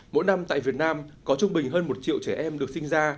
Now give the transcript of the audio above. mỗi năm tại việt nam có trung bình hơn một triệu trẻ em được sinh ra